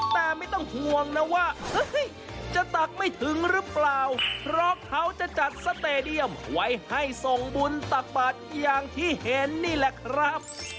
แต่ไม่ต้องห่วงนะว่าเฮ้ยจะตักไม่ถึงหรือเปล่าเพราะเขาจะจัดสเตดียมไว้ให้ส่งบุญตักบาทอย่างที่เห็นนี่แหละครับ